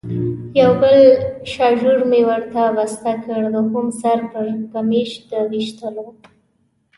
یو بل شاژور مې ورته بسته کړ، دوهم سر پړکمشر د وېشتلو.